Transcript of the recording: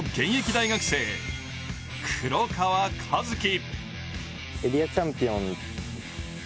大学生黒川和樹。